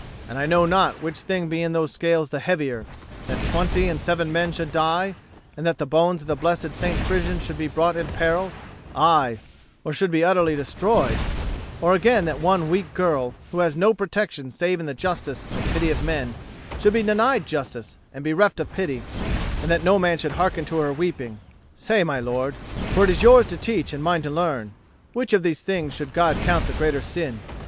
And I know not which thing be in those scales the heavier; that twenty and seven men should die, and that the bones of the blessed St. Prisian should be brought in peril, aye, or should be utterly destroyed; or again that one weak girl, who has no protection save in the justice and pity of men, should be denied justice and bereft of pity, and that no man should hearken to her weeping. Say, my lord for it is yours to teach and mine to learn which of these things should God count the greater sin?